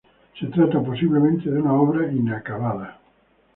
Se trata, posiblemente, de una obra inacabada.